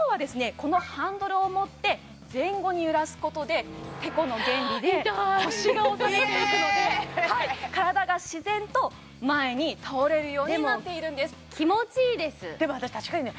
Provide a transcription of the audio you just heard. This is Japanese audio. このハンドルを持って前後に揺らすことでテコの原理で痛い腰が押されていくのではい体が自然と前に倒れるようになっているんですでも私確かにね